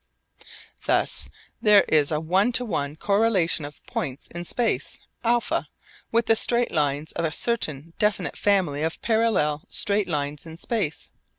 Thus there is a one to one correlation of points in space α with the straight lines of a certain definite family of parallel straight lines in space β.